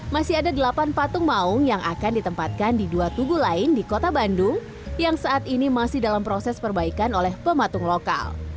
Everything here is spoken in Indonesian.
masih ada delapan patung maung yang akan ditempatkan di dua tugu lain di kota bandung yang saat ini masih dalam proses perbaikan oleh pematung lokal